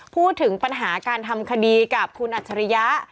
พูดถึงปัญหาการทำคดีกับคุณอัจฉริยะ